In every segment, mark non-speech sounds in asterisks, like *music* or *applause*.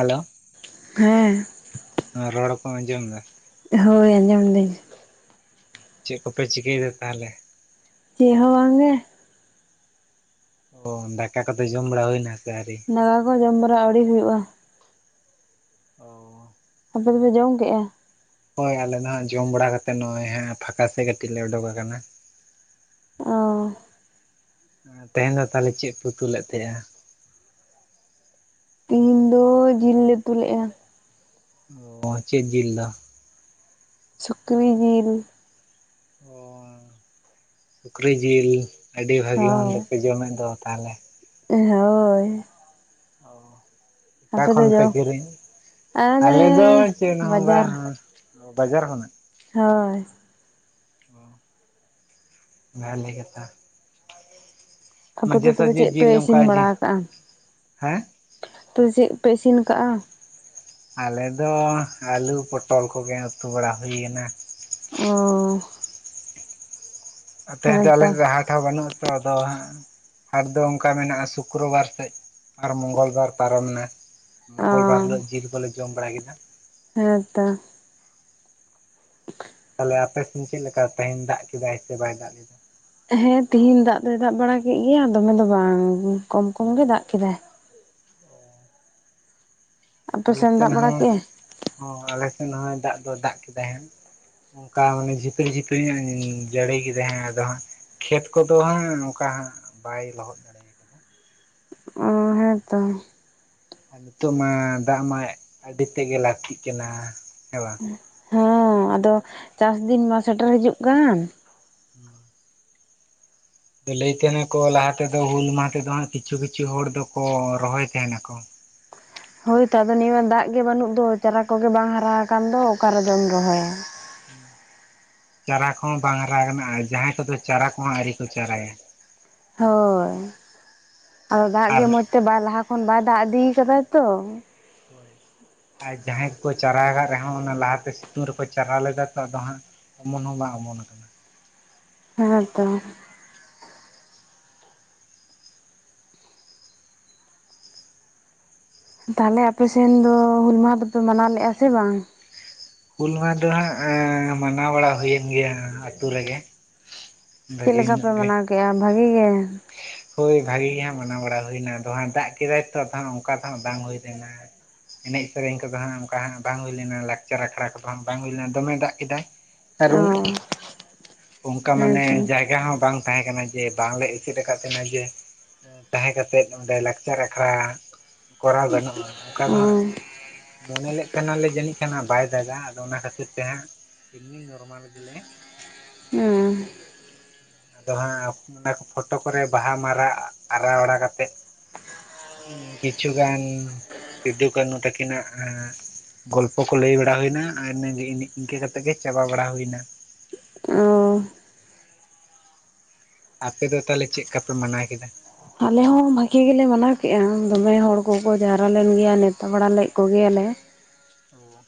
Hello. ᱦᱮᱸ ᱻ ᱾ ᱨᱚᱲ ᱠᱚᱢ ᱟᱸᱡᱚᱢ ᱫᱟ? ᱦᱳᱭ ᱟᱱᱡᱚᱢ ᱫᱟᱹᱧ, ᱾ ᱪᱮᱫ ᱠᱚᱯᱮ ᱪᱤᱠᱟᱹᱭ ᱫᱟ ᱛᱟᱦᱚᱞᱮ? ᱪᱮᱜ ᱦᱚᱸ ᱵᱟᱝ ᱜᱮ? ᱚ ᱫᱟᱠᱟ ᱠᱚᱛᱮ ᱡᱚᱢ ᱵᱟᱲᱟ ᱦᱩᱭ ᱱᱟ ᱥᱮ ᱟᱹᱣᱨᱤ? ᱫᱟᱫᱟ ᱠᱚ ᱡᱚᱢ ᱵᱟᱲᱟᱟ ᱟᱣᱨᱤ ᱦᱩᱭᱩᱜᱼᱟ᱾ ᱚᱻ᱾ ᱟᱯᱮ ᱫᱚᱯᱮ ᱡᱚᱢ ᱠᱮᱫᱼᱟ? ᱦᱳᱭ ᱟᱞᱮ ᱫᱚ ᱦᱟᱸᱜ ᱡᱚᱢ ᱵᱟᱲᱟ ᱠᱟᱛᱮᱫ ᱱᱚᱜᱼᱚᱭ ᱦᱟᱸᱜ ᱯᱷᱟᱸᱠᱟ ᱥᱮᱫ ᱠᱟᱹᱴᱤᱡ ᱞᱮ ᱩᱰᱩᱠᱟ ᱟᱠᱟᱱᱟ᱾ ᱚᱸᱻ᱾ ᱛᱮᱦᱮᱧ ᱫᱚ ᱛᱟᱦᱞᱮ ᱪᱮᱫ ᱩᱛᱩᱞᱮᱫ ᱛᱟᱦᱮᱸ ᱱᱟ? ᱛᱤᱦᱤᱧ ᱫᱚ ᱡᱤᱞ ᱞᱮ ᱩᱛᱩ ᱞᱮᱫᱼᱟ᱾ ᱚᱸ ᱪᱮᱫ ᱡᱤᱞ ᱫᱚ? ᱥᱩᱠᱨᱤ ᱡᱤᱞ᱾ ᱚ ᱥᱩᱠᱨᱤ ᱡᱤᱞ ᱟᱹᱰᱤ ᱵᱷᱟᱹᱜᱮ ᱢᱚᱱᱫᱚᱯᱮ ᱡᱚᱢᱮᱫ ᱫᱚ᱾ ᱛᱟᱦᱚᱞᱮ? ᱮᱸ ᱦᱳᱭ᱾ ᱚᱸᱻ᱾ ᱚᱠᱟ ᱟᱯᱮ ᱫᱚ ᱠᱷᱚᱱ ᱯᱮ ᱡᱚᱢ ᱠᱤᱨᱤᱧ, ᱟᱞᱮ ᱫᱚ ᱪᱮᱫ ᱦᱚ ᱵᱟᱡᱟᱨ ᱵᱟᱝ ᱚ ᱵᱟᱡᱟᱨ ᱠᱷᱚᱱ? ᱦᱳᱭ᱾ ᱚ ᱵᱷᱟᱞᱮ ᱠᱟᱛᱷᱟ᱾ ᱟᱯᱮ ᱫᱚ ᱢᱟᱡᱷᱮ ᱛᱚᱵᱮ ᱥᱟᱡᱷᱮ ᱪᱮᱫ ᱯᱮ ᱡᱤᱞ ᱤᱥᱤᱱ ᱚᱱᱠᱟ ᱵᱟᱲᱟ ᱡᱮ ᱟᱠᱟᱜᱼᱟ? ᱦᱮᱸ ᱛᱚ ᱪᱮᱫᱯᱮ ᱤᱥᱤᱱ ᱠᱟᱜᱼᱟ? ᱟᱞᱮ ᱫᱚ ᱟᱹᱞᱩ ᱯᱚᱴᱚᱞ ᱠᱚᱜᱮ ᱩᱛᱩ ᱵᱟᱲᱟ ᱦᱩᱭ ᱠᱟᱱᱟ᱾ ᱚᱸᱻ᱾ ᱛᱮᱦᱮᱸᱧ ᱫᱚ ᱟᱞᱮ ᱦᱮᱸᱛᱚ ᱥᱮᱫ ᱦᱟᱴ ᱦᱚᱸ ᱵᱟᱹᱱᱩᱜ ᱟᱛᱚ ᱟᱫᱚ ᱦᱟᱸᱜ ᱦᱟᱴ ᱫᱚ ᱚᱱᱠᱟ ᱢᱮᱱᱟᱜᱼᱟ ᱥᱩᱠᱨᱚᱵᱟᱨ ᱥᱮᱜ, ᱟᱨ ᱢᱚᱝᱜᱚᱞ ᱵᱟᱨ ᱯᱟᱨᱚᱢ ᱮᱱᱟ᱾ ᱚ ᱢᱚᱝᱜᱚᱞ ᱵᱟᱨ ᱦᱤᱞᱳᱜ ᱡᱤᱞ ᱠᱚᱞᱮ ᱡᱚᱢ ᱵᱟᱲᱟ ᱠᱮᱫᱟ ᱦᱮᱸᱛᱚ᱾ *unintelligible* ᱛᱟᱦᱚᱞᱮ ᱟᱯᱮᱥᱱ ᱪᱮᱫ ᱞᱮᱠᱟ ᱛᱮᱦᱮᱧ ᱫᱟᱜ ᱠᱮᱫᱟᱭ ᱥᱮ ᱵᱟᱭ ᱫᱟᱜ ᱞᱮᱫᱟ? ᱦᱮᱸ ᱛᱮᱦᱮᱧ ᱫᱟᱜ ᱫᱚᱭ ᱫᱟᱜ ᱵᱟᱲᱟ ᱠᱮᱜ ᱜᱮᱭᱟ ᱫᱚᱢᱮ ᱫᱚ ᱵᱟᱝ, ᱠᱚᱢ ᱠᱚᱢ ᱜᱮ ᱫᱟᱜ ᱠᱮᱫᱟᱭ᱾ ᱟᱞᱮ ᱟᱯᱮᱥᱮᱱ ᱫᱟᱜ ᱥᱮᱱ ᱵᱟᱲᱟ ᱦᱚᱸ, ᱠᱮᱜᱼᱟᱭ ᱦᱚᱸ ᱟᱞᱮ ᱥᱮᱱ ᱦᱚᱸ ᱫᱟᱜ ᱫᱚᱭ ᱫᱟᱜ ᱠᱮᱫᱟᱭ᱾ ᱚᱱᱠᱟ ᱢᱟᱱᱮ ᱡᱷᱤᱯᱤᱨ, ᱡᱷᱤᱯᱤᱟ, ᱧᱚᱜ, ᱡᱟᱹᱲᱤ ᱠᱮᱫᱟ ᱦᱮᱸ ᱟᱫᱚ ᱦᱟᱸᱜ ᱠᱷᱮᱛ ᱠᱚᱫᱚ ᱦᱟᱸᱜ ᱚᱱᱠᱟ ᱦᱟᱸᱜ ᱵᱟᱭ ᱞᱚᱦᱚᱫ ᱫᱟᱲᱮ ᱟᱠᱟᱫᱟ ᱦᱮᱸ ᱛᱚ᱾ ᱟᱨ ᱱᱤᱛᱚᱜ ᱢᱟ ᱫᱟᱜ ᱢᱟ, ᱟᱹᱰᱤ ᱛᱮᱫᱜᱮ ᱞᱟᱹᱠᱛᱤᱜ ᱠᱟᱱᱟ ᱦᱮᱸ ᱦᱮᱸ ᱟᱫᱚ ᱪᱟᱥ ᱫᱤᱱ ᱢᱟ ᱥᱮᱴᱮᱨ ᱦᱤᱡᱩᱜ ᱠᱟᱱ *unintelligible* ᱞᱟᱹᱭ ᱛᱮᱸᱦᱮ ᱱᱟᱠᱚ ᱞᱟᱦᱟ ᱛᱮᱫᱚ ᱦᱩᱞ ᱢᱟᱦᱟ ᱛᱮᱫᱚ ᱦᱟᱸᱜ ᱠᱤᱪᱷᱩ ᱠᱤᱪᱷᱩ ᱦᱚᱲ ᱫᱚᱠᱚ ᱨᱚᱦᱚᱭ ᱛᱮᱸᱦᱮ ᱱᱟᱠᱚ᱾ ᱦᱳᱭᱛᱚ ᱟᱫᱚ ᱱᱤᱭᱟᱹ ᱫᱟᱜ ᱜᱮ ᱵᱟᱹᱱᱩᱜ ᱫᱚ, ᱪᱟᱨᱟ ᱠᱚᱜᱮ ᱵᱟᱝ ᱦᱟᱨᱟ ᱠᱟᱱ ᱫᱚ ᱚᱠᱟ ᱨᱮᱫᱚᱢ ᱨᱚᱦᱚᱭᱟ᱾ *unintelligible* ᱪᱟᱨᱟ ᱠᱚᱦᱚᱸ ᱵᱟᱝ ᱦᱟᱨᱟ ᱠᱟᱱᱟ, ᱡᱟᱦᱟᱸᱭ ᱠᱚᱫᱚ ᱪᱟᱨᱟ ᱠᱚᱦᱚᱸ ᱟᱣᱨᱤ ᱠᱚ ᱪᱟᱨᱟᱭᱟ᱾ ᱦᱳᱭ ᱟᱫᱚ ᱫᱟᱜ ᱟᱨ ᱜᱮ ᱢᱚᱸᱡᱽ ᱛᱮ ᱵᱟᱭ ᱞᱟᱦᱟ ᱠᱷᱚᱱ ᱵᱟᱭ ᱫᱟᱜ ᱤᱫᱤ ᱠᱟᱫᱟ ᱛᱚ, ᱟᱨ ᱡᱟᱦᱟᱸᱭ ᱠᱚᱠᱚ ᱪᱟᱨᱟᱠᱟᱜ ᱨᱮᱦᱚᱸ ᱚᱱᱟ ᱞᱟᱦᱟᱛᱮ ᱥᱤᱛᱩᱝ ᱨᱮᱠᱚ ᱪᱟᱨᱟ ᱞᱮᱫᱟ ᱛᱚ, ᱟᱫᱚ ᱦᱟᱸᱜ ᱚᱢᱚᱱ ᱦᱚᱸ ᱵᱟᱝ ᱚᱢᱚᱱ ᱠᱟᱱᱟ᱾ ᱦᱮᱸ ᱛᱚ᱾ ᱛᱟᱦᱚᱞᱮ ᱟᱯᱮ ᱮᱥᱱ ᱫᱚ ᱦᱩᱞ ᱢᱟᱦᱟ ᱫᱚᱯᱮ ᱢᱟᱱᱟᱣ ᱞᱮᱫᱼᱟ ᱥᱮ ᱵᱟᱝ? ᱦᱩᱞ ᱢᱟᱦᱟ ᱫᱚ ᱦᱟᱸᱜ ᱢᱟᱱᱟᱣ ᱵᱟᱲᱟ ᱦᱩᱭᱮᱱ ᱜᱮᱭᱟ ᱟᱛᱩ ᱨᱮᱜᱮ᱾ ᱪᱮᱜ ᱵᱷᱟᱹᱜᱤ ᱞᱮᱠᱟ ᱯᱮ ᱧᱚᱜ ᱜᱮ ᱢᱟᱱᱟᱣ ᱠᱮᱫᱮᱜᱼᱟ ᱵᱷᱟᱹᱜᱮ ᱜᱮ? ᱦᱳᱭ ᱵᱷᱟᱜᱮ ᱜᱮ ᱦᱟᱸᱜ ᱢᱟᱱᱟᱣ ᱵᱟᱲᱟ ᱦᱩᱭᱱᱟ ᱟᱫᱚ ᱦᱟᱸᱜ ᱫᱟᱜ ᱠᱮᱫᱟᱭ ᱛᱚ, ᱚᱱᱠᱟ ᱫᱚ ᱦᱟᱸᱜ ᱵᱟᱝ ᱦᱩᱭ ᱞᱮᱱᱟ᱾ ᱮᱱᱮᱡ ᱥᱮᱨᱮᱧ ᱠᱚᱫᱚ ᱦᱟᱸᱜ ᱚᱱᱠᱟ ᱦᱟᱸᱜ ᱵᱟᱝ ᱦᱩᱭ ᱞᱮᱱᱟ᱾ ᱞᱟᱠᱪᱟᱨ ᱟᱠᱷᱲᱟ ᱠᱚᱫᱚ ᱦᱟᱸᱜ ᱵᱟᱝ ᱦᱩᱭ ᱞᱮᱱᱟ ᱫᱚᱢᱮ ᱫᱟᱜ ᱠᱮᱫᱟᱭ᱾ ᱚ ᱠᱟᱨᱚᱱ ᱚᱱᱠᱟ ᱢᱟᱱᱮ ᱦᱮᱸᱛᱚ ᱡᱟᱭᱜᱟ ᱦᱚᱸ ᱵᱟᱝ ᱛᱟᱦᱮᱸ ᱠᱟᱱᱟ ᱡᱮ ᱵᱟᱝᱞᱮ ᱪᱮᱫ ᱟᱠᱟᱫ ᱛᱟᱦᱮᱸᱱᱟ ᱡᱮ ᱛᱟᱦᱮᱸ ᱠᱟᱛᱮᱜ ᱚᱸᱰᱮ ᱞᱟᱠᱪᱟᱨ ᱟᱠᱷᱲᱟ ᱠᱚᱨᱟᱣ ᱜᱟᱱᱚᱜᱼᱟ ᱾ ᱚᱱᱠᱟ ᱫᱚ ᱚ ᱦᱟᱸᱜ ᱢᱚᱱᱮ ᱞᱮᱫ ᱛᱟᱦᱮᱱᱟᱞᱮ ᱡᱟᱹᱱᱤᱡ ᱠᱷᱟᱱᱦᱟᱸᱜ ᱵᱟᱭ ᱫᱟᱜᱟ ᱟᱫᱚ ᱚᱱᱟ ᱠᱷᱟᱹᱛᱤᱨ ᱛᱮᱦᱟᱸᱜ ᱤᱢᱱᱤ ᱱᱚᱨᱢᱟᱞ ᱜᱮᱞᱮ ᱦᱩᱸ ᱟᱫᱚ ᱦᱟᱸᱜ ᱚᱱᱟ ᱯᱷᱳᱴᱳ ᱠᱚᱨᱮ ᱵᱟᱦᱟ ᱢᱟᱞᱟ ᱟᱨᱟᱣ ᱵᱟᱲᱟ ᱠᱟᱛᱮᱜ ᱦᱸ ᱠᱤᱪᱷᱩ ᱜᱟᱱ ᱥᱤᱫᱩ ᱠᱟᱹᱱᱦᱩ ᱛᱟᱹᱠᱤᱱᱟᱜ ᱜᱚᱞᱯᱚ ᱠᱚ ᱞᱟᱹᱭ ᱵᱟᱲᱟ ᱦᱩᱭᱱᱟ, ᱟᱨ ᱤᱱᱠᱟᱹ ᱠᱟᱛᱮᱜ ᱜᱮ ᱪᱟᱵᱟ ᱵᱟᱲᱟ ᱦᱩᱭᱱᱟ᱾ ᱚ ᱟᱯᱮ ᱫᱚ ᱛᱟᱦᱚᱞᱮ ᱪᱮᱫᱠᱟ ᱯᱮ ᱢᱟᱱᱟᱣ ᱠᱮᱫᱟ? ᱟᱞᱮ ᱦᱚᱸ ᱵᱷᱟᱹᱜᱤ ᱜᱮᱞᱮ ᱢᱟᱱᱟᱣ ᱠᱮᱫᱮᱜᱼᱟ, ᱫᱚᱢᱮ ᱦᱚᱲ ᱠᱚᱠᱚ ᱡᱟᱣᱨᱟ ᱞᱮᱱ ᱜᱮᱭᱟ ᱱᱮᱶᱛᱟ ᱵᱟᱲᱟ ᱞᱮᱫ ᱠᱚᱜᱮᱭᱟᱞᱮ ᱚ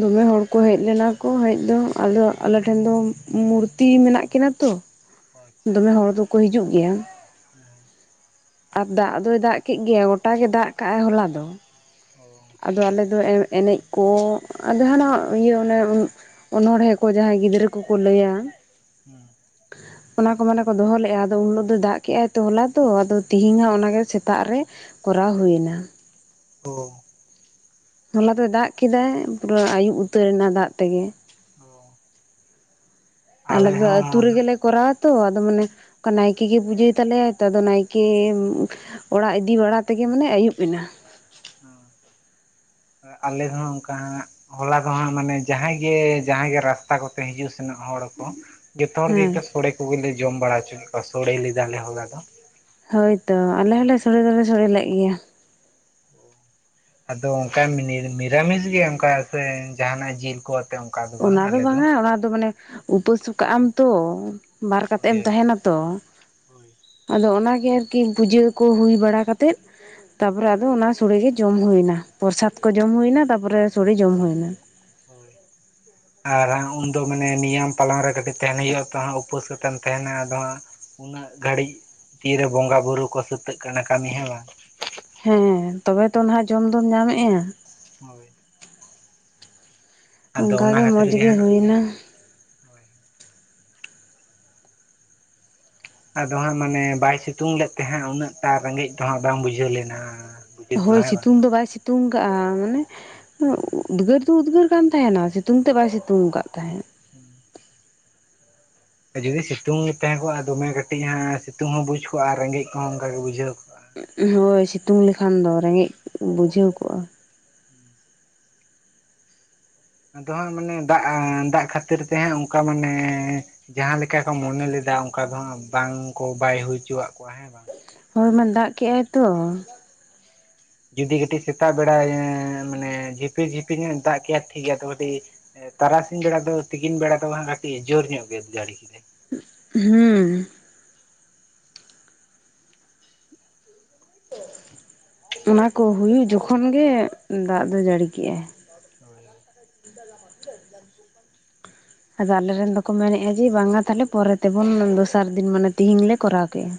ᱫᱚᱢᱮ ᱦᱚᱲᱠᱚ ᱦᱮᱡ ᱞᱮᱱᱟ ᱠᱚ ᱦᱮᱡ ᱫᱚ ᱟᱫᱚ ᱟᱞᱮ ᱴᱷᱮᱱ ᱫᱚ ᱢᱩᱨᱛᱤ ᱢᱮᱱᱟᱜ ᱠᱤᱱᱟ ᱛᱚ ᱟᱪᱪᱷᱟ ᱫᱚᱢᱮ ᱦᱚᱲ ᱫᱚᱠᱚ ᱦᱤᱡᱩᱜ ᱜᱮᱭᱟ᱾ *inaudible* ᱟᱨ ᱫᱟᱜ ᱫᱚᱭ ᱫᱟᱜ ᱠᱮᱜ ᱜᱮᱭᱟ ᱜᱚᱴᱟ ᱜᱮ ᱫᱟᱜ ᱠᱟᱜᱟᱭ ᱦᱚᱞᱟ ᱫᱚ᱾ *inaudible* ᱟᱫᱚ ᱟᱞᱮᱫᱚ ᱮᱱᱮᱡ ᱠᱚ ᱟᱨ ᱡᱟᱦᱟᱱᱟᱜ ᱤᱭᱟᱹ ᱚᱱᱮ ᱚᱱᱚᱚᱲᱦᱮᱸ ᱠᱚ ᱡᱟᱦᱟᱸᱭ ᱜᱤᱫᱽᱨᱟᱹ ᱠᱚᱠᱚ ᱞᱟᱹᱭᱟ, ᱦᱮᱸ ᱚᱱᱟ ᱠᱚ ᱢᱟᱱᱮ ᱠᱚ ᱫᱚᱦᱚ ᱞᱮᱜᱼᱟ ᱟᱫᱚ ᱩᱱᱦᱤᱞᱳᱜ ᱫᱚ ᱫᱟᱜ ᱠᱮᱫᱜᱟᱭ ᱛᱚ ᱦᱚᱞᱟ ᱛᱚ ᱟᱫᱚ ᱛᱤᱦᱤᱧ ᱫᱚ ᱚᱱᱟᱜᱮ ᱥᱮᱛᱟᱜ ᱨᱮ, ᱠᱚᱨᱟᱣ ᱦᱩᱭᱮᱱᱟ᱾ ᱚ ᱦᱚᱞᱟ ᱫᱚᱭ ᱫᱟᱜ ᱠᱮᱫᱟ ᱯᱩᱨᱟᱹ ᱟᱭᱩᱵ ᱩᱛᱟᱹᱨ ᱮᱱᱟ ᱫᱟᱜ ᱛᱮᱜᱮ᱾ ᱚ ᱟᱞᱮ ᱦᱚᱸ, ᱠᱚᱨᱟᱣᱟᱛᱚ ᱟᱫᱚ ᱢᱟᱱᱮ ᱱᱟᱭᱠᱮ ᱜᱮ ᱯᱩᱡᱟᱹᱭ ᱛᱟᱞᱮᱟᱭᱟ ᱛᱚ ᱟᱫᱚ ᱱᱟᱭᱠᱮ ᱚᱲᱟᱜ ᱤᱫᱤ ᱵᱟᱲᱟ ᱛᱮᱜᱮ ᱢᱟᱱᱮ ᱟᱹᱭᱩᱵ ᱮᱱᱟ᱾ ᱚ ᱟᱞᱮ ᱦᱚᱸ ᱚᱱᱠᱟ, ᱦᱚᱞᱟ ᱫᱚᱦᱟᱸᱜ ᱢᱟᱱᱮ ᱡᱟᱦᱟᱸᱭ ᱜᱮ ᱡᱟᱦᱟᱸᱭ ᱜᱮ ᱨᱟᱥᱛᱟ ᱠᱚᱛᱮ ᱦᱤᱡᱩᱜ ᱥᱮᱱᱚᱜ ᱦᱚᱲ ᱠᱚ, ᱡᱚᱛᱚ ᱦᱚᱲ ᱦᱮᱸ ᱜᱮᱠᱚ ᱥᱚᱲᱮ ᱠᱚᱜᱮᱞᱮ ᱡᱚᱢ ᱵᱟᱲᱟ ᱦᱚᱪᱚᱠᱮᱫ ᱠᱚᱣᱟ ᱥᱚᱲᱮ ᱞᱮᱫᱟᱞᱮ ᱦᱚᱞᱟ ᱫᱚ, ᱦᱳᱭᱛᱚ ᱟᱞᱮ ᱦᱚᱸᱞᱮ ᱥᱳᱲᱮ ᱫᱚᱞᱮ ᱥᱳᱲᱮ ᱞᱮᱫ ᱜᱮᱭᱟ, ᱟᱫᱚ ᱚᱱᱠᱟ ᱢᱤᱨᱟᱢᱤᱥ ᱜᱮ ᱚᱱᱠᱟ ᱥᱮ ᱡᱟᱦᱟᱱᱟᱜ ᱡᱤᱞ ᱠᱚ? ᱚᱱᱠᱟ ᱵᱟᱝ ᱚᱱᱟ ᱫᱚ ᱟᱞᱮ ᱵᱟᱝᱟ ᱚᱱᱟ ᱫᱚ ᱢᱟᱱᱮ ᱩᱯᱟᱹᱥ ᱠᱟᱜ ᱟᱢ ᱛᱚ᱾ ᱵᱟᱨ ᱠᱟᱛᱮᱫ ᱦᱳᱭ ᱮᱢ ᱛᱟᱦᱮᱱᱟ ᱛᱚ, ᱦᱳᱭ ᱟᱫᱚ ᱚᱱᱟᱜᱮ ᱟᱨᱠᱤ ᱯᱩᱡᱟᱹ ᱠᱚ ᱦᱩᱭ ᱵᱟᱲᱟ ᱠᱟᱛᱮᱫ, ᱛᱟᱯᱚᱨᱮ ᱟᱫᱚ ᱚᱱᱟ ᱥᱚᱲᱮᱜᱮ ᱡᱚᱢ ᱦᱩᱭᱱᱟ, ᱯᱨᱚᱥᱟᱫ ᱠᱚ ᱡᱚᱢ ᱦᱩᱭᱱᱟ ᱛᱟᱯᱚᱨᱮ ᱥᱚᱲᱮ ᱡᱚᱢ ᱦᱩᱭ ᱱᱟ᱾ ᱦᱳᱭ᱾ ᱟᱨᱚ ᱦᱟᱸᱜ ᱩᱱᱫᱚ ᱢᱟᱱᱮ ᱱᱤᱭᱚᱢ ᱯᱟᱞᱚᱱ ᱨᱮ ᱠᱟᱹᱴᱤᱡ ᱛᱟᱦᱮᱸᱱ ᱦᱳᱭᱳᱜᱼᱟ ᱛᱚ ᱦᱟᱸᱜ ᱩᱯᱟᱹᱥ ᱠᱟᱛᱮᱢ ᱛᱟᱦᱮᱱᱟ ᱟᱫᱚ ᱦᱟᱸᱜ, ᱩᱱᱟᱹᱜ ᱜᱷᱟᱹᱲᱤᱡ ᱛᱤᱨᱮ ᱵᱚᱸᱜᱟ ᱵᱩᱨᱩ ᱠᱚ ᱥᱟᱹᱛᱟᱹᱜ ᱠᱟᱱᱟ ᱠᱟᱹᱢᱤ ᱦᱮᱸ ᱵᱟᱝ, ᱦᱮᱸ ᱛᱚᱵᱮ ᱛᱚ ᱱᱟᱦᱟᱜ ᱡᱚᱢ ᱫᱚᱢ ᱧᱟᱢᱮᱜᱼᱟ᱾ ᱦᱳᱭ, ᱟᱫᱚ ᱚᱱᱟ ᱚᱱᱠᱟᱜᱮ ᱠᱷᱟᱹᱛᱤᱨ ᱢᱚᱸᱡᱽ ᱜᱮ ᱦᱟᱸᱜ ᱦᱩᱭᱮᱱᱟ᱾ ᱟᱫᱚ ᱦᱟᱸᱜ ᱢᱟᱱᱮ ᱵᱟᱭ ᱥᱤᱛᱩᱝ ᱞᱮᱫ ᱛᱟᱦᱮᱜ ᱩᱱᱟᱹᱜ ᱴᱟ ᱨᱮᱸᱜᱮᱸᱡ ᱫᱚ ᱦᱟᱸᱜ ᱵᱟᱝ ᱵᱩᱡᱷᱟᱹᱣ ᱞᱮᱱᱟ᱾ ᱵᱩᱡᱷᱟᱹᱣ ᱫᱚ ᱦᱳᱭ ᱦᱮᱸ ᱵᱟᱝ ᱥᱤᱛᱩᱝ ᱫᱚ ᱵᱟᱭ ᱥᱤᱛᱩᱝ ᱠᱟᱜᱼᱟ ᱢᱟᱱᱮ, ᱩᱫᱽᱜᱟᱹᱨ ᱫᱚ ᱩᱫᱽᱜᱟᱹᱨ ᱠᱟᱱ ᱛᱟᱦᱮᱱᱟ ᱥᱤᱛᱩᱝ ᱛᱮᱜ ᱵᱟᱭ ᱥᱤᱛᱩᱝ ᱟᱠᱟᱫ ᱛᱟᱦᱮᱸᱫ᱾ *inaudible* ᱡᱩᱫᱤ ᱥᱤᱛᱩᱝ ᱛᱟᱦᱮᱸ ᱠᱚᱜᱼᱟ ᱫᱚᱢᱮ ᱠᱟᱹᱴᱤᱡ ᱦᱟᱸᱜ ᱥᱤᱛᱩᱝ ᱦᱚᱸ ᱵᱩᱡᱽ ᱠᱚᱜᱼᱟ ᱟᱨ ᱨᱮᱜᱮᱡ ᱠᱚᱦᱚᱸ ᱚᱱᱠᱟ ᱜᱮ ᱵᱩᱡᱷᱟᱹᱣ ᱠᱚᱣᱟ᱾ ᱦᱳᱭ ᱥᱤᱛᱩᱝ ᱞᱮᱠᱷᱟᱱ ᱫᱚ ᱨᱮᱸᱜᱮᱡ ᱵᱩᱡᱷᱟᱹᱣ ᱠᱚᱜᱼᱟ᱾ ᱟᱫᱚ ᱦᱟᱸᱜ ᱢᱟᱱᱮ ᱫᱟᱜ ᱫᱟᱜ ᱠᱷᱟᱹᱛᱤᱨ ᱛᱮ ᱦᱟᱸᱜ ᱚᱱᱠᱟ ᱢᱟᱱᱮ, ᱡᱟᱦᱟᱸ ᱞᱮᱠᱟ ᱠᱚ ᱢᱚᱱᱮ ᱞᱮᱫᱟ ᱚᱱᱠᱟ ᱫᱚ ᱦᱟᱸᱜ ᱵᱟᱝ ᱠᱚ ᱵᱟᱭ ᱦᱩᱭ ᱦᱚᱪᱚᱣᱟᱜ ᱠᱚᱣᱟ ᱦᱮᱸ ᱵᱟᱝ᱾ ᱦᱳᱭ ᱢᱟ ᱫᱟᱜ ᱠᱮᱜᱟᱭ ᱛᱚ, ᱡᱩᱫᱤ ᱠᱟᱹᱴᱤᱡ ᱥᱮᱛᱟᱜ ᱵᱮᱲᱟ ᱢᱟᱱᱮ ᱡᱷᱤᱯᱤ ᱡᱷᱤᱯᱤ ᱧᱚᱜᱼᱮ ᱫᱟᱜ ᱠᱮᱭᱟ ᱴᱷᱤᱠ ᱜᱮᱭᱟ ᱛᱚ ᱠᱟᱹᱴᱤᱡ, ᱛᱟᱨᱟᱥᱤᱧ ᱵᱮᱲᱟ ᱫᱚ ᱛᱤᱠᱤᱱ ᱵᱮᱲᱟ ᱫᱚ ᱠᱟᱹᱴᱤᱡ ᱡᱳᱨ ᱧᱚᱜ ᱜᱮ ᱠᱮᱫᱟᱭ᱾ ᱦᱩᱸ, ᱚᱱᱟᱠᱩ ᱦᱩᱭᱩᱜ ᱡᱚᱠᱷᱚᱱ ᱜᱮ ᱫᱟᱜ ᱫᱚ ᱡᱟᱹᱲᱤ ᱠᱮᱜᱼᱟᱭ ᱦᱳᱭ, *inaudible* ᱟᱫᱚ ᱟᱞᱮᱨᱮᱱ ᱫᱚᱠᱚ ᱢᱮᱱᱮᱜᱼᱟ ᱡᱮ ᱵᱟᱝᱟ ᱛᱟᱦᱞᱮ ᱯᱚᱨᱮ ᱛᱮᱵᱚᱱ ᱫᱚᱥᱟᱨ ᱫᱤᱱ ᱢᱟᱱᱮ ᱛᱮᱦᱤᱧ ᱞᱮ ᱠᱚᱨᱟᱣ ᱠᱮᱫᱼᱟ᱾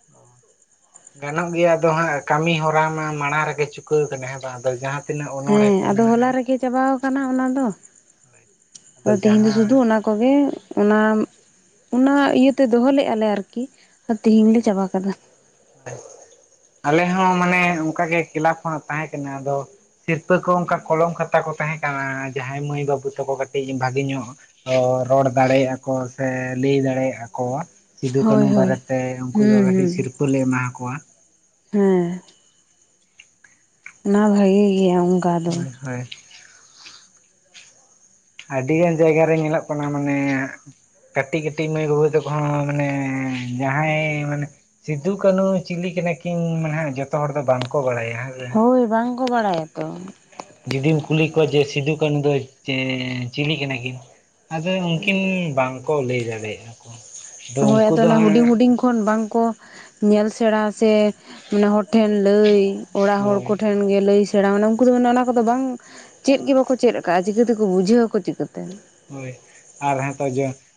*inaudible* ᱜᱟᱱᱚᱜ ᱜᱮᱭᱟ ᱟᱫᱚ ᱦᱟᱸᱜ ᱠᱟᱹᱢᱤ ᱦᱚᱨᱟ ᱢᱟ ᱢᱟᱲᱟᱝ ᱨᱮᱜᱮ ᱪᱩᱠᱟᱹᱣ ᱠᱟᱱᱟ ᱟᱫᱚ ᱡᱟᱸᱦᱟ, ᱛᱤᱱᱟᱹᱜ ᱚᱱᱚᱲᱦᱮ ᱦᱮᱸ ᱠᱚ ᱟᱫᱚ ᱢᱮᱱᱟᱜᱼᱟ᱾ ᱦᱚᱞᱟ ᱨᱮᱜᱮ ᱪᱟᱵᱟᱣ ᱟᱠᱟᱱᱟ ᱚᱱᱟ ᱫᱚ᱾ ᱟᱫᱚ ᱛᱤᱦᱤᱧ ᱫᱚ ᱡᱟᱦᱟᱸ ᱥᱩᱫᱷᱩ ᱩᱱᱟ ᱠᱚᱜᱮ ᱚᱱᱟ ᱤᱭᱟᱹᱛᱮ ᱫᱚᱦᱚ ᱞᱮᱜ-ᱟ ᱞᱮ ᱟᱨᱠᱤ᱾ ᱛᱮᱦᱮᱧ ᱦᱳᱭ ᱞᱮ ᱪᱟᱵᱟ ᱠᱟᱫᱟ᱾ ᱟᱞᱮ ᱦᱚᱸ ᱢᱟᱱᱮ ᱚᱱᱠᱟᱜᱮ ᱠᱞᱟᱵᱽ ᱠᱷᱚᱱᱟᱜ ᱛᱟᱦᱮᱸ ᱠᱟᱱᱟ ᱟᱫᱚ ᱥᱤᱨᱯᱟᱹ ᱠᱚ ᱚᱱᱠᱟ ᱠᱚᱞᱚᱢ ᱠᱷᱟᱛᱟ ᱠᱚ ᱛᱟᱦᱮᱸ ᱠᱟᱱᱟ ᱡᱟᱦᱟᱸᱭ ᱢᱟᱹᱭ ᱵᱟᱹᱵᱩ ᱛᱟᱠᱚ ᱠᱟᱹᱴᱤᱡ ᱵᱷᱟᱜᱮ ᱧᱚᱜ ᱨᱚᱲ ᱫᱟᱲᱮᱭᱟᱜᱼᱟ ᱠᱚ ᱥᱮ ᱞᱟᱹᱭ ᱫᱟᱲᱮᱭᱟᱜᱼᱟ ᱠᱚ ᱥᱤᱫᱩ ᱠᱟᱹᱱᱩ ᱦᱳᱭ ᱦᱳᱭ ᱵᱟᱨᱮᱛᱮ ᱩᱱᱠᱩ ᱫᱚ ᱦᱩᱸ ᱦᱩᱸ ᱠᱟᱹᱴᱤᱡ ᱥᱤᱨᱯᱟᱹ ᱞᱮ ᱮᱢᱟ ᱠᱚᱣᱟ᱾ ᱦᱮᱸ ᱱᱚᱣᱟ ᱵᱷᱟᱜᱤ ᱜᱮᱭᱟ ᱚᱱᱠᱟ ᱫᱚ᱾ ᱦᱳᱭ ᱦᱳᱭ ᱟᱹᱰᱤ ᱜᱟᱱ ᱡᱟᱭᱜᱟ ᱨᱮ ᱧᱮᱞᱚᱜ ᱠᱟᱱᱟ ᱢᱟᱱᱮ ᱠᱟᱹᱴᱤᱡ ᱠᱟᱹᱴᱤᱡ ᱢᱟᱹᱭ ᱵᱟᱹᱵᱩ ᱛᱟᱠᱚ ᱦᱚᱸ ᱢᱟᱱᱮ ᱡᱟᱦᱟᱸᱭ ᱢᱟᱱᱮ ᱥᱤᱫᱩ ᱠᱟᱹᱱᱦᱩ ᱪᱤᱞᱤ ᱠᱟᱱᱟ ᱠᱤᱱ ᱱᱟᱦᱟᱜ ᱡᱚᱛᱚ ᱦᱚᱲ ᱫᱚ ᱵᱟᱝ ᱠᱚ ᱵᱟᱲᱟᱭᱟ᱾ ᱦᱮᱸ ᱥᱮ ᱦᱳᱭ ᱵᱟᱝᱠᱚ ᱵᱟᱲᱟᱭᱟ ᱛᱚ᱾ ᱡᱩᱫᱤᱢ ᱠᱩᱞᱤ ᱠᱚᱣᱟ ᱡᱮ ᱥᱤᱫᱩ ᱠᱟᱹᱱᱩ ᱫᱚ ᱪᱤᱞᱤ ᱠᱟᱱᱟ ᱠᱤᱱ ᱟᱫᱚ ᱩᱱᱠᱤᱱ, ᱵᱟᱝᱠᱚ ᱞᱟᱹᱭ ᱫᱟᱲᱮᱭᱟᱜᱼᱟ ᱠᱚ ᱦᱳᱭ ᱩᱱᱠᱩ ᱟᱫᱚ ᱫᱚ ᱚᱱᱟ ᱦᱩᱰᱤᱧ ᱦᱟᱸᱜ ᱦᱩᱰᱤᱧ ᱠᱷᱚᱱ ᱵᱟᱝᱠᱚ ᱧᱮᱞ ᱥᱮᱬᱟ ᱥᱮ ᱱᱮᱦᱚᱲ ᱴᱷᱮᱱ ᱞᱟᱹᱭ ᱚᱲᱟᱜ ᱦᱚᱲ ᱠᱚ ᱦᱳᱭ ᱴᱷᱮᱱ ᱜᱮ ᱞᱟᱹᱭ ᱥᱮᱬᱟ ᱢᱟᱱᱮ ᱩᱱᱠᱩ ᱫᱚ ᱢᱟᱱᱮ ᱚᱱᱟ ᱠᱚᱫᱚ ᱵᱟᱝ ᱪᱮᱫ ᱜᱮ ᱵᱟᱠᱚ ᱪᱮᱫ ᱠᱟᱜᱼᱟ ᱪᱤᱠᱟᱹᱛᱮᱠᱚ ᱵᱩᱡᱷᱟᱹᱣᱟᱠᱚ ᱪᱤᱠᱟᱹᱛᱮ᱾ ᱦᱳᱭ, ᱟᱨ ᱦᱮᱸ ᱛᱚ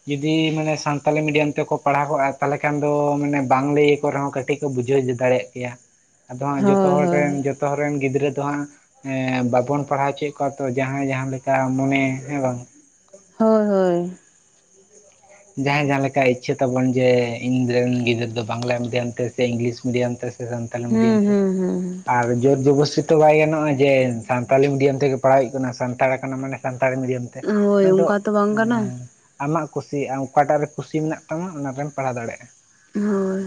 ᱡᱩᱫᱤ ᱢᱟᱱᱮ ᱥᱟᱱᱛᱟᱞᱤ ᱢᱤᱰᱤᱭᱟᱢ ᱛᱮᱠᱚ ᱯᱟᱲᱦᱟᱣ ᱠᱚᱜᱼᱟ ᱛᱟᱦᱚᱞᱮ ᱠᱷᱟᱱ ᱫᱚ ᱢᱟᱱᱮ ᱵᱟᱝ ᱞᱟᱹᱭ ᱟᱠᱚ ᱨᱮᱦᱚᱸ ᱠᱟᱼᱼ ᱴᱤᱜ ᱠᱚ ᱵᱩᱡᱷᱟᱹᱣ ᱫᱟᱲᱮᱭᱟᱜ ᱠᱮᱭᱟ᱾ ᱟᱫᱚ ᱦᱟᱸᱜ ᱡᱚᱛᱚ ᱦᱳᱭ ᱦᱚᱲ ᱦᱳᱭ ᱨᱮᱱ ᱡᱚᱛᱚ ᱦᱚᱲ ᱨᱮᱱ ᱜᱤᱫᱽᱨᱟᱹ ᱫᱚ ᱦᱟᱸ ᱵᱟᱵᱚᱱ ᱯᱟᱲᱦᱟᱣ ᱦᱚᱪᱚᱭᱮᱫ ᱠᱚᱣᱟ ᱛᱚ ᱡᱟᱦᱟᱸᱭ ᱡᱟᱦᱟᱸ ᱞᱮᱠᱟ ᱢᱚᱱᱮ ᱦᱮᱸ ᱵᱟᱝ᱾ ᱦᱳᱭ ᱦᱳᱭ *inaudible* ᱡᱟᱦᱟᱸᱭ ᱡᱟᱦᱟᱸ ᱞᱮᱠᱟ ᱤᱪᱪᱷᱟᱹ ᱛᱟᱵᱚᱱ ᱡᱮ ᱤᱧ ᱨᱮᱱ ᱜᱤᱫᱽᱨᱟᱹ ᱫᱚ ᱵᱟᱝᱞᱟ ᱢᱤᱰᱤᱭᱟᱢ ᱛᱮ ᱥᱮ ᱤᱝᱞᱤᱥ ᱢᱤᱰᱤᱭᱟᱢ ᱛᱮ ᱥᱮ ᱥᱟᱱᱛᱟᱞᱤ ᱢᱤᱰᱤᱭᱟᱢ ᱦᱩᱸ ᱛᱮ, ᱦᱩᱸ ᱦᱩᱸ ᱟᱨ ᱡᱳᱨ ᱡᱚᱵᱚᱥᱛᱤᱼᱼ ᱛᱚ ᱵᱟᱭ ᱜᱟᱱᱚᱜᱼᱟ, ᱡᱮ ᱥᱟᱱᱛᱟᱞᱤ ᱢᱤᱰᱤᱭᱟᱢ ᱛᱮᱜᱮ ᱯᱟᱲᱦᱟᱣ ᱦᱩᱭᱩᱜ ᱠᱟᱱᱟ ᱥᱟᱱᱛᱟᱲ ᱠᱟᱱᱟ ᱢᱟᱱᱮ ᱥᱟᱱᱛᱟᱲᱤ ᱢᱤᱰᱤᱭᱟᱢ ᱛᱮ ᱦᱳᱭ ᱚᱱᱟ ᱫᱚ ᱚᱱᱠᱟ ᱛᱚ ᱵᱟᱝ ᱠᱟᱱᱟ᱾ ᱟᱢᱟᱜ ᱠᱩᱥᱤ ᱟᱢ ᱚᱠᱟᱴᱟᱜ ᱨᱮ ᱠᱩᱥᱤ ᱢᱮᱱᱟᱜ ᱛᱟᱢᱟ ᱚᱱᱟ ᱨᱮᱢ ᱯᱟᱲᱦᱟᱣ ᱫᱟᱲᱮᱭᱟᱜᱼᱟ᱾ ᱦᱳᱭ,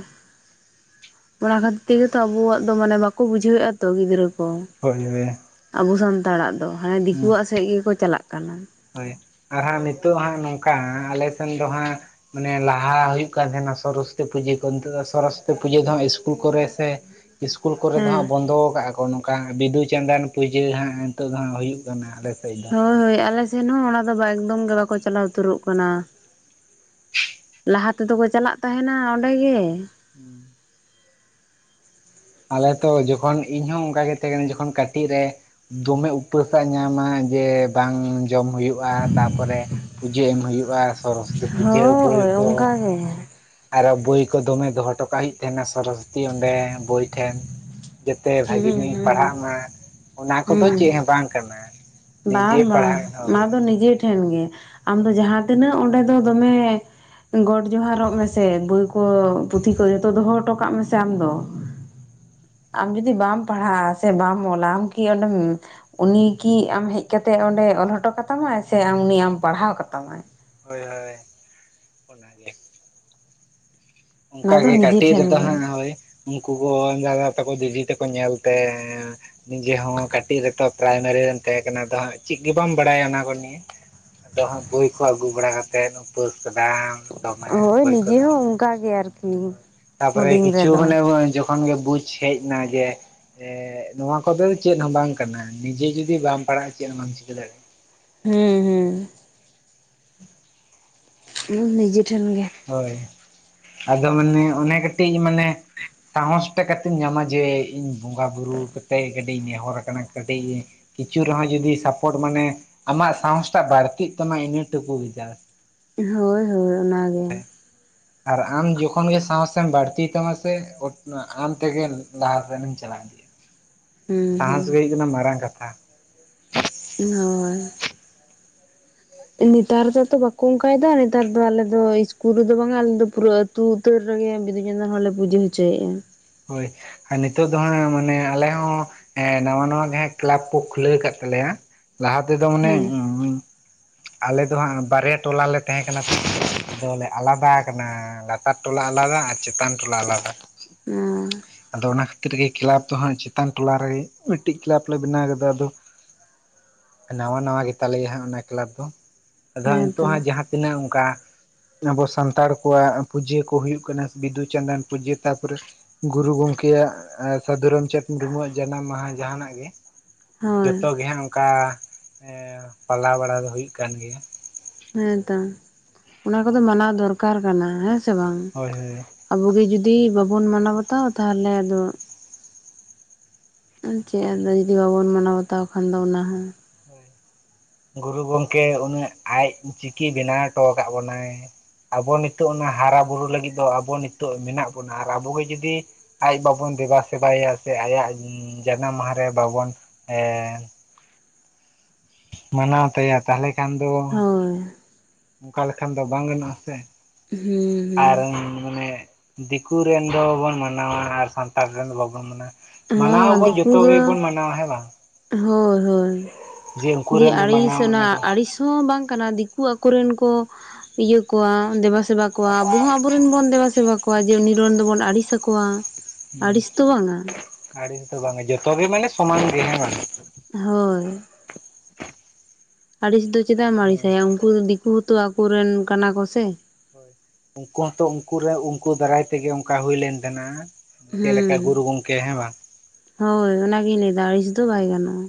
ᱚᱱᱟ ᱠᱷᱟᱹᱛᱤᱨ ᱛᱮᱜᱮ ᱛᱚ ᱟᱵᱚᱣᱟᱜ ᱫᱚ ᱢᱟᱱᱮ ᱵᱟᱠᱚ ᱵᱩᱡᱷᱟᱹᱣ ᱮᱫᱼᱟ ᱛᱚ ᱜᱤᱫᱽᱨᱟᱹ ᱠᱚ᱾ ᱦᱳᱭ ᱦᱳᱭ ᱟᱵᱚ ᱥᱟᱱᱛᱟᱲᱟᱜ ᱫᱚ ᱦᱟᱱᱮ ᱦᱩᱸ ᱫᱤᱠᱩᱣᱟᱜ ᱥᱮᱫ ᱜᱮᱠᱚ ᱪᱟᱞᱟᱜ ᱠᱟᱱᱟ ᱦᱳᱭ, ᱟᱨ ᱦᱟᱸᱜ ᱱᱤᱛᱳᱜ ᱦᱟᱸᱜ ᱱᱚᱝᱠᱟ ᱟᱞᱮ ᱥᱮᱱ ᱫᱚ ᱦᱟᱸᱜ ᱢᱟᱱᱮ ᱞᱟᱦᱟ ᱦᱩᱭᱩᱜ ᱠᱟᱱ ᱛᱟᱦᱮᱱᱟ ᱥᱚᱨᱚᱥᱚᱛᱤ ᱯᱩᱡᱟᱹ ᱠᱚ ᱱᱤᱛᱚᱜ ᱫᱚ ᱥᱚᱨᱚᱥᱚᱛᱤ ᱯᱩᱡᱟᱹ ᱫᱚ ᱤᱥᱠᱩᱞ ᱠᱚᱨᱮ ᱥᱮ ᱤᱥᱠᱩᱞ ᱠᱚᱨᱮ ᱫᱚ ᱦᱟᱸᱜ ᱦᱮᱸ ᱵᱚᱱᱫᱚ ᱠᱟᱜᱼᱟ ᱠᱚ ᱚᱱᱠᱟ ᱵᱤᱫᱩ ᱪᱟᱸᱫᱟᱱ ᱯᱩᱡᱟᱹ ᱦᱟᱸᱜ ᱱᱤᱛᱚᱜ ᱫᱚ ᱦᱟᱸᱜ ᱦᱩᱭᱩᱜ ᱠᱟᱱᱟ ᱟᱞᱮ ᱥᱮᱫ ᱫᱚ ᱦᱳᱭ ᱦᱳᱭ ᱟᱞᱮ ᱥᱮᱱ ᱦᱚᱸ ᱚᱱᱟ ᱫᱚ ᱮᱠᱫᱚᱢ ᱜᱮ ᱵᱟᱠᱚ ᱪᱟᱞᱟᱣ ᱩᱛᱟᱹᱨᱚᱜ ᱠᱟᱱᱟ᱾ ᱞᱟᱦᱟ ᱛᱮᱫᱚ ᱠᱚ ᱪᱟᱞᱟᱜ ᱛᱟᱦᱮᱱᱟ ᱚᱸᱰᱮ ᱜᱮ ᱦᱩᱸ ᱟᱞᱮᱛᱚ ᱡᱚᱠᱷᱚᱱ ᱤᱧᱦᱚᱸ ᱚᱱᱠᱟᱜᱮ ᱛᱟᱦᱮᱸ ᱠᱟᱹᱱᱟᱹᱧ ᱡᱚᱠᱷᱚᱱ ᱠᱟᱹᱴᱤᱡ ᱨᱮ ᱫᱚᱢᱮ ᱩᱯᱟᱹᱥᱟᱜ ᱧᱟᱢᱟ ᱡᱮ ᱵᱟᱝ ᱡᱚᱢ ᱦᱩᱭᱩᱜᱼᱟ, ᱛᱟᱯᱚᱨᱮ ᱯᱩᱡᱟᱹ ᱮᱢ ᱦᱩᱭᱩᱜᱼᱟ ᱥᱚᱨᱚᱥᱚᱛᱤ ᱯᱩᱡᱟᱹ ᱵᱳᱭ ᱠᱚ᱾ ᱦᱮᱸ ᱟᱨᱚ ᱵᱚᱭ ᱠᱚ ᱫᱚᱢᱮ ᱫᱚᱦᱚ ᱦᱚᱴᱚᱠᱟᱜ ᱦᱩᱭᱩᱜ ᱛᱟᱦᱮᱸᱱᱟ ᱥᱚᱨᱚᱥᱚᱛᱤ ᱚᱸᱰᱮ ᱵᱚᱭ ᱴᱷᱮᱱ ᱡᱟᱛᱮ ᱵᱷᱟᱜᱮ ᱦᱩᱸ ᱧᱚᱜ ᱤᱧ ᱦᱩᱸ ᱯᱟᱲᱦᱟᱜ ᱢᱟ ᱚᱱᱟ ᱠᱚᱫᱚ ᱦᱩᱸ ᱪᱮᱫ ᱦᱚᱸ ᱵᱟᱝ ᱠᱟᱱᱟ᱾ ᱵᱟᱝ ᱱᱤᱡᱮ ᱵᱟᱝ ᱯᱟᱲᱦᱟᱣ ᱦᱳᱭ ᱚᱱᱟ ᱫᱚ ᱱᱤᱡᱮ ᱴᱷᱮᱱ ᱜᱮ ᱟᱢᱫᱚ ᱦᱳᱭ ᱡᱟᱦᱟᱸ ᱛᱤᱱᱟᱹᱜ ᱚᱸᱰᱮ ᱫᱚ ᱫᱚᱢᱮ ᱜᱚᱰ ᱡᱚᱦᱟᱨᱚᱜ ᱢᱮᱥᱮ ᱵᱳᱭ ᱠᱚ ᱯᱩᱛᱷᱤ ᱠᱚ ᱡᱚᱛᱚ ᱫᱚᱦᱚ ᱦᱚᱴᱚ ᱠᱟᱜ ᱢᱮᱥᱮ ᱟᱢ ᱫᱚ *unintelligible* ᱟᱢ ᱡᱩᱫᱤ ᱵᱟᱢ ᱯᱟᱲᱦᱟᱜᱼᱟ ᱥᱮ ᱵᱟᱢ ᱚᱞᱟ ᱟᱢ ᱠᱤ ᱚᱸᱰᱮᱢ ᱩᱱᱤ ᱠᱤ ᱟᱢ ᱦᱮᱡ ᱠᱟᱛᱮᱜ ᱚᱸᱰᱮ ᱚᱞ ᱦᱚᱴᱚ ᱠᱟᱛᱟᱢᱟ ᱥᱮ ᱟᱢ ᱩᱱᱤ ᱟᱢ ᱯᱟᱲᱦᱟᱣ ᱠᱟᱛᱟᱢᱟᱭ ᱦᱳᱭ ᱦᱳᱭ ᱚᱱᱟᱜᱮ ᱚᱱᱟ ᱫᱚ ᱚᱱᱠᱟᱜᱮ ᱱᱤᱡᱮ ᱠᱟᱹᱴᱤᱡ ᱴᱷᱮᱱ ᱨᱮᱫᱚ ᱜᱮ ᱦᱮᱸ ᱦᱳᱭ ᱩᱱᱠᱩ ᱠᱚ ᱫᱟᱫᱟ ᱛᱟᱠᱚ ᱫᱤᱞᱤ ᱛᱮᱠᱚ ᱧᱮᱞ ᱛᱮ ᱱᱤᱡᱮᱦ ᱠᱟᱹᱴᱤᱡ ᱨᱮᱛᱚ ᱯᱨᱟᱭᱢᱟᱨᱤ ᱨᱮᱢ ᱛᱟᱦᱮᱸ ᱠᱟᱱᱟ ᱟᱫᱚ ᱦᱟᱸᱜ ᱪᱮᱫ ᱜᱮ ᱵᱟᱢ ᱵᱟᱲᱟᱭᱟ ᱚᱱᱟ ᱠᱚ ᱱᱤᱭᱮ ᱟᱫᱚ ᱦᱜ ᱵᱳᱭ ᱠᱚ ᱟᱹᱜᱩ ᱵᱟᱲᱟ ᱠᱟ ᱠᱟᱛᱮᱫ ᱩᱯᱟᱹᱥ ᱟᱠᱟᱫᱟᱢ ᱦᱳᱭ ᱱᱤᱡᱮ ᱦᱚᱸ ᱚᱱᱠᱟᱜᱮ ᱟᱨᱠᱤ ᱛᱟᱨᱯᱚᱨᱮ ᱦᱩᱰᱤᱧ ᱠᱤᱪᱷᱩ ᱨᱮᱫᱚ ᱢᱟᱱᱮ ᱡᱚᱠᱷᱚᱱ ᱜᱮ ᱵᱩᱡᱽ ᱦᱮᱡ ᱱᱟ ᱡᱮ ᱱᱚᱣᱟ ᱠᱚᱫᱚ ᱪᱮᱫ ᱦᱚᱸ ᱵᱟᱝ ᱠᱟᱱᱟ ᱱᱤᱡᱮ ᱡᱩᱚᱫᱤ ᱵᱟᱢ ᱯᱟᱲᱦᱟᱜᱼᱟ ᱪᱮᱫ ᱦᱚᱸ ᱵᱟᱢ ᱪᱤᱠᱟᱹ ᱫᱟᱲᱮᱭᱟᱜᱼᱟ ᱦᱮᱸ ᱦᱮᱸ ᱱᱤᱡᱮ ᱴᱷᱮᱱ ᱜᱮ ᱦᱳᱭ ᱟᱫᱚ ᱢᱟᱱᱮ ᱚᱱᱮ ᱠᱟᱹᱴᱤᱡ ᱢᱟᱱᱮ ᱥᱟᱦᱚᱥ ᱮᱴᱟ ᱠᱟᱛᱮᱧ ᱧᱟᱢᱟ ᱡᱮ ᱤᱧ ᱵᱚᱸᱜᱟ ᱵᱩᱨᱩ ᱠᱟᱛᱮᱮᱫ ᱠᱟᱹᱴᱤᱡ ᱤᱧ ᱱᱮᱦᱚᱨ ᱟᱠᱟᱱᱟ ᱠᱟᱹᱴᱤᱡ ᱠᱤᱪᱷᱩ ᱨᱮᱦᱚᱸ ᱡᱩᱫᱤ ᱥᱟᱯᱳᱴ ᱢᱟᱱᱮ ᱟᱢᱟᱜ ᱥᱚᱝᱥᱷᱟ ᱵᱟᱹᱲᱛᱤᱜ ᱛᱟᱢᱟ ᱤᱱᱟᱹᱴᱩᱠᱩ ᱵᱷᱟ ᱦᱳᱭ ᱦᱳᱭ ᱚᱱᱟᱱᱟᱜᱮ ᱟᱨ ᱟᱢ ᱡᱚᱠᱷᱚᱱ ᱜᱮ ᱥᱟᱶᱥᱢ ᱵᱟᱹᱲᱛᱤᱭ ᱛᱟᱢᱟ ᱥᱮ ᱟᱢ ᱛᱮᱜᱮ ᱞᱟᱦᱟ ᱥᱮᱱᱢ ᱪᱟᱞᱟᱣ ᱤᱫᱤᱭᱼᱟ ᱦᱩᱸ ᱥᱟᱦᱥ ᱜᱮ ᱦᱩᱸ ᱦᱩᱭᱩᱜ ᱠᱟᱱᱟ ᱢᱟᱨᱟᱝ ᱠᱟᱛᱷᱟ *unintelligible* ᱦᱳᱭ ᱱᱮᱛᱟᱨ ᱫᱚ ᱛᱚ ᱵᱟᱠᱚ ᱚᱱᱠᱟᱭᱮᱫᱟ ᱱᱮᱛᱟᱨ ᱫᱚ ᱟᱞᱮ ᱫᱚ ᱤᱥᱠᱩᱞ ᱨᱮᱫᱚ ᱵᱟᱝ ᱟᱞᱮᱫ ᱫᱚ ᱯᱩᱨᱟᱹ ᱛᱩ ᱩᱛᱟᱹᱨ ᱨᱮᱜᱮ ᱵᱤᱫᱩ ᱪᱟᱸᱫᱟᱱ ᱦᱚᱸᱞᱮ ᱯᱩᱡᱟᱹ ᱦᱚᱪᱚᱭᱮᱫᱼᱟ ᱦᱳᱭ ᱱᱤᱛᱚᱜ ᱫᱚ ᱦᱟᱸᱜ ᱢᱟᱱᱮ ᱟᱞᱮ ᱦᱚᱸ ᱮᱸᱜ ᱱᱟᱣᱟ ᱱᱟᱣᱟ ᱡᱟᱦᱟᱸ ᱠᱞᱟᱵᱽ ᱠᱚ ᱠᱷᱩᱞᱟᱹᱣ ᱠᱫ ᱛᱟᱞᱮᱭᱟ ᱞᱟᱦᱟ ᱛᱮᱫᱚ ᱢᱟᱱᱮ ᱟᱞᱮ ᱫᱚ ᱦᱟᱸᱜ ᱵᱟᱨᱭᱟ ᱴᱚᱞᱟᱞᱮ ᱛᱟᱦᱮᱸᱠᱟᱱᱟ ᱛ ᱟᱫᱚᱞᱮ ᱟᱞᱟᱫᱟ ᱠᱟᱱᱟ ᱞᱟᱛᱟᱨ ᱴᱚᱞᱟ ᱟᱞᱟᱫᱟ ᱟᱨ ᱪᱮᱛᱟᱱ ᱴᱚᱞᱟ ᱟᱞᱟᱫᱟ ᱦᱮᱸ ᱟᱫᱚ ᱚᱱᱟ ᱠᱷᱟᱹᱛᱤᱨ ᱠᱟᱹ ᱨᱮ ᱜᱮ ᱠᱮᱞᱟᱯ ᱫᱚ ᱦᱟᱸᱜ ᱪᱮᱛᱟᱱ ᱴᱚᱞᱟ ᱨᱮᱜᱮ ᱢᱤᱫᱴᱤᱡ ᱠᱮᱞᱟᱯ ᱞᱮ ᱵᱮᱱᱟᱣ ᱠᱮᱫᱟ ᱟᱫᱚ ᱱᱟᱣᱟ ᱱᱟᱣᱟ ᱜᱮᱛᱟᱞᱮᱭᱟ ᱦᱟᱸᱜ ᱚᱱᱟ ᱠᱞᱟᱵᱽ ᱫᱚ ᱟᱫᱚ ᱚ ᱦᱟᱸᱜ ᱦᱮᱸᱛᱚ ᱱᱤᱛᱳᱜ ᱦᱜ ᱡᱟᱦᱟᱸᱛᱤᱱᱟᱹᱜ ᱚᱱᱠᱟ ᱟᱵᱚ ᱥᱟᱱᱛᱟᱲ ᱠᱚᱣᱟᱜ ᱯᱩᱡᱟᱹ ᱠᱚ ᱦᱩᱭᱩᱜ ᱠᱟᱱᱟ ᱵᱤᱫᱫᱩᱼ ᱪᱟᱸᱫᱟᱱ ᱯᱩᱡᱟᱹ ᱛᱟᱯᱚᱨᱮ ᱜᱩᱨᱩ ᱜᱚᱢᱠᱮᱭᱟᱜ ᱥᱟᱫᱷᱩ ᱨᱟᱢᱪᱟᱸᱫᱽ ᱢᱩᱨᱢᱩᱣᱟᱜ ᱡᱟᱱᱟᱢ ᱢᱟᱦᱟ ᱡᱟᱦᱟᱱᱟᱜ ᱜᱮ ᱦᱳᱭ ᱡᱚᱛᱚ ᱜᱮ ᱦᱟᱸᱜ ᱚᱱᱠᱟ ᱯᱟᱞᱟᱣ ᱵᱟᱲᱟ ᱫᱚ ᱦᱩᱭᱩᱜ ᱠᱟᱱ ᱜᱮᱭᱟ ᱦᱮᱸᱛᱚ ᱚᱱᱟ ᱠᱚᱫᱚ ᱢᱟᱱᱟᱣ ᱫᱚᱨᱠᱟᱨ ᱠᱟᱱᱟ ᱦᱮᱸ ᱥᱮ ᱵᱟᱝ ᱦᱳᱭ ᱦᱳᱭ ᱟᱵᱚ ᱜᱮ ᱡᱩᱫᱤ ᱵᱟᱵᱚᱱ ᱢᱟᱱᱟᱣ ᱵᱟᱛᱟᱣᱟ ᱛᱟᱦᱚᱞᱮ ᱟᱫᱚ ᱪᱮᱫ ᱦᱳᱭ ᱟᱫᱚ ᱡᱩᱫᱤ ᱵᱟᱵᱚᱱ ᱢᱟᱱᱟᱣ ᱵᱟᱛᱟᱣ ᱠᱷᱟᱱ ᱫᱚ ᱚᱱᱟ ᱦᱚᱸ ᱜᱩᱨᱩ ᱜᱚᱝᱠᱮ ᱩᱱᱟᱹᱜ ᱟᱡ ᱪᱤᱠᱤ ᱵᱮᱱᱟᱣ ᱦᱚᱴᱚ ᱟᱠᱟᱫ ᱵᱚᱱᱟᱭ ᱟᱵᱚ ᱱᱤᱛᱚᱜ ᱚᱱᱟ ᱦᱟᱨᱟᱼ ᱵᱩᱨᱩ ᱞᱟᱹᱜᱤᱫ ᱫᱚ ᱟᱵᱚ ᱱᱤᱛᱚᱜ ᱢᱮᱱᱟᱜ ᱵᱚᱱᱟ ᱟᱨ ᱟᱵᱚᱜᱮ ᱡᱩᱫᱤ ᱟᱡ ᱵᱟᱵᱚᱱ ᱫᱮᱵᱟ ᱥᱮᱵᱟᱭᱮᱟ ᱥᱮ ᱟᱭᱟᱜ ᱡᱟᱱᱟᱢ ᱢᱟᱦᱟᱮ ᱵᱟᱵᱚᱱ ᱮ ᱢᱟᱱᱟᱣ ᱛᱟᱭᱟ ᱛᱟᱦᱚᱞᱮ ᱠᱷᱟᱱ ᱫᱚ ᱦᱳᱭ ᱚᱱᱠᱟ ᱞᱮᱠᱷᱟᱱ ᱫᱚ ᱵᱟᱝ ᱜᱟᱱᱚᱜᱼᱟ ᱥᱮ ᱟᱨ ᱦᱩᱸ ᱢᱟᱱᱮ ᱫᱤᱠᱩ ᱨᱮᱱ ᱫᱚᱵᱚᱱ ᱢᱟᱱᱟᱣᱟ ᱟᱨ ᱥᱟᱱᱛᱟᱲ ᱨᱮᱱ ᱫᱚ ᱵᱟᱵᱚᱱ ᱢᱟᱱᱟᱣᱟ ᱦᱩᱸ ᱦᱚᱸ ᱢᱟᱱᱟᱣᱟᱵᱚᱱ ᱫᱤᱠᱩ ᱡᱚᱛᱚ ᱫᱚ ᱜᱮᱵᱚᱱ ᱢᱟᱱᱟᱣᱟ ᱦᱮᱸ ᱵᱟᱝ ᱦᱳᱭ ᱦᱳᱭ ᱩᱱᱠᱩ ᱡᱮ ᱨᱮᱱ ᱫᱚ ᱟᱹᱲᱤᱥ ᱢᱟᱱᱟᱣ ᱚᱱᱟ ᱫᱚ ᱟᱲᱤᱥ *unintelligible* ᱵᱟᱝ ᱠᱟᱱᱟ ᱫᱤᱠᱩ ᱟᱠᱚᱨᱮᱱ ᱠᱚ ᱤᱭᱟᱹ ᱠᱚᱣᱟ ᱫᱮᱵᱟ ᱥᱮᱵᱟ ᱠᱚᱣᱟ ᱟᱵᱚ ᱦᱚᱸ ᱟᱵᱚᱨᱮᱱ ᱵᱚᱱ ᱫᱮᱵᱟ ᱥᱮᱵᱟ ᱠᱚᱣᱟ᱾ ᱡᱮ ᱩᱱᱤ ᱨᱚᱲ ᱫᱚᱵᱚᱱ ᱟᱹᱲᱤᱥ ᱟᱠᱚᱣᱟ ᱟᱹᱲᱤᱥ ᱫᱚ ᱵᱟᱝᱼᱟ᱾ ᱟᱲᱤᱥ ᱫᱚ ᱵᱟᱝᱟ ᱡᱚᱛᱚ ᱜᱮ ᱢᱟᱱᱮ ᱥᱚᱢᱟᱱ ᱜᱮ ᱦᱮᱸ ᱵᱟᱝ ᱦᱳᱭ ᱟᱹᱲᱤᱥ ᱫᱚ ᱪᱮᱫᱟᱜ ᱮᱢ ᱟᱹᱲᱤᱥ ᱦᱳᱭ ᱟᱭᱟ ᱩᱱᱠᱩ ᱫᱤᱠᱩ ᱦᱚᱸ ᱛᱚ ᱟᱠᱚᱨᱮᱱ ᱠᱟᱱᱟ ᱠᱚ ᱥᱮ ᱩᱱᱠᱩ ᱦᱚᱸᱛᱚ ᱩᱱᱠᱩ ᱨᱮᱱ ᱩᱱᱠᱩ ᱫᱟᱨᱟᱭ ᱛᱮᱜᱮ ᱚᱱᱠᱟ ᱦᱩᱭ ᱞᱮᱱ ᱛᱟᱦᱮᱱᱟ᱾ ᱪᱮᱫ ᱦᱩᱸ᱾ ᱞᱮᱠᱟ ᱜᱩᱨᱩ ᱜᱚᱝᱠᱮ ᱦᱮᱸ ᱵᱟ ᱦᱳᱭ ᱚᱱᱟᱜᱤᱧ ᱞᱟᱹᱭᱫᱟ ᱟᱹᱲᱤᱥ ᱫᱚ ᱵᱟᱭ ᱜᱟᱱᱚᱜᱼᱟ